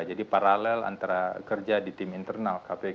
jadi paralel antara kerja di tim internal kpk dan juga tim dari polri